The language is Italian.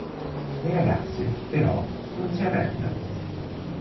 Le ragazze però non si arrendono.